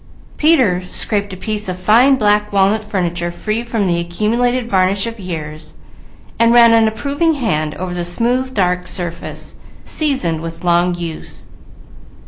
Peter scraped a piece of fine black walnut furniture free from the accumulated varnish of years, and ran an approving hand over the smooth dark surface, seasoned with long use.